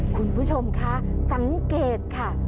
คุณผู้ชมคะสังเกตค่ะ